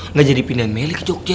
nggak jadi pindahin meli ke jogja